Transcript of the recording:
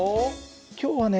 今日はね